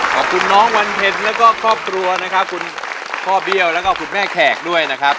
ขอบคุณน้องวันเพ็ญแล้วก็ครอบครัวนะครับคุณพ่อเบี้ยวแล้วก็คุณแม่แขกด้วยนะครับ